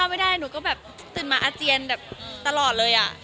ผมก็ตื่นมาอาเจียนตลอดเลย